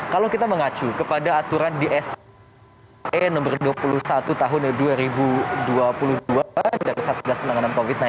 kalau kita mengacu kepada aturan di sa nomor dua puluh satu tahun dua ribu dua puluh dua dari satgas penanganan covid sembilan belas